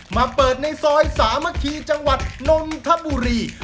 มาเปิดในซอยสามัคคีจังหวัดนนทบุรี